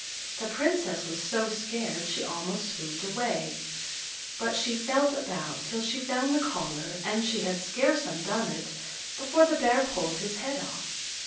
The Princess was so scared she almost swooned away; but she felt about till she found the collar, and she had scarce undone it before the bear pulled his head off.